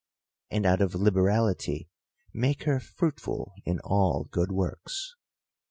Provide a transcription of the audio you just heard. ; and, out of liberality, make her fruitful in all good works.